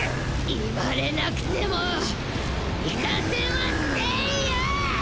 言われなくても行かせませんよ！